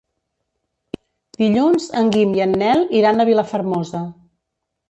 Dilluns en Guim i en Nel iran a Vilafermosa.